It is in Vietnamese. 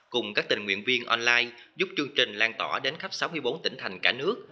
cùng các tình nguyện viên online giúp chương trình lan tỏa đến khắp sáu mươi bốn tỉnh thành cả nước